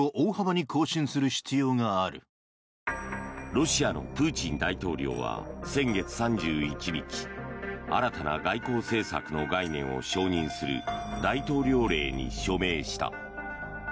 ロシアのプーチン大統領は先月３１日新たな外交政策の概念を承認する大統領令に署名した。